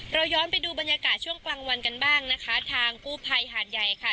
เราย้อนไปดูบรรยากาศช่วงกลางวันกันบ้างนะคะทางกู้ภัยหาดใหญ่ค่ะ